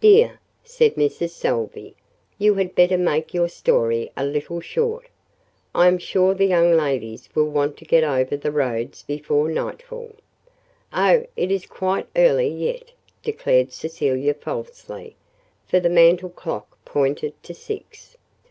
"Dear," said Mrs. Salvey, "you had better make your story a little short. I am sure the young ladies will want to get over the roads before nightfall." "Oh, it is quite early yet," declared Cecilia falsely, for the mantel clock pointed to six.